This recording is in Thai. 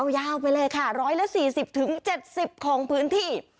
ยาวไปเลยค่ะ๑๔๐๗๐ของพื้นที่